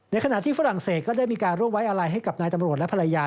ขณะที่ฝรั่งเศสก็ได้มีการร่วมไว้อะไรให้กับนายตำรวจและภรรยา